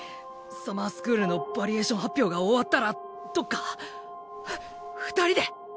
サマースクールのヴァリエーション発表が終わったらどっかふ二人で。